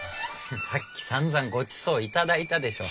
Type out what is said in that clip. さっきさんざんごちそう頂いたでしょ？